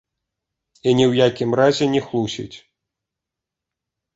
І ні ў якім разе не хлусіць.